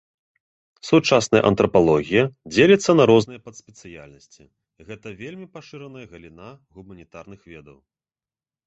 Сучасная антрапалогія дзеліцца на розныя падспецыяльнасці, гэта вельмі пашыраная галіна гуманітарных ведаў.